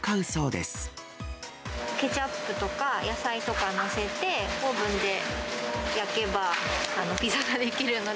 ケチャップとか野菜とか載せて、オーブンで焼けば、ピザが出来るので。